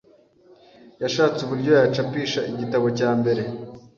yashatse uburyo yacapisha igitabo cya mbere